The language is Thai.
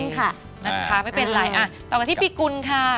มันถึงครามไม่เป็นอะไรต่อกับที่ปีกุลค่ะ